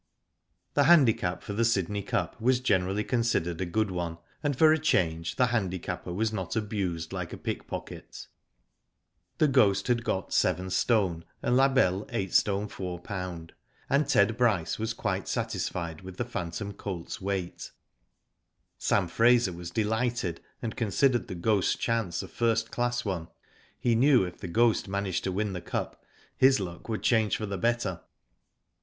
The handicap for the Sydney Cup was generally considered a good one, and for a change the handicapper was not abused like a pick pocket. The Ghost had got yst. and La Belle 8st. 41b., and Ted Bryce was quite satisfied with the phantom colt's weight. Sam Fraser was delighted, and considered The Ghost's chance a first class one. He knew if The Ghost managed to win the Cup his luck would change for the better.